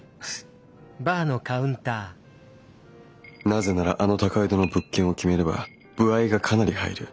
なぜならあの高井戸の物件を決めれば歩合がかなり入る。